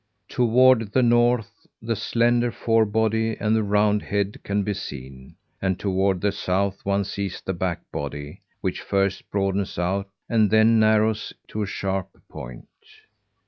Toward the north, the slender fore body and the round head can be seen, and toward the south, one sees the back body which first broadens out, and then narrows to a sharp point."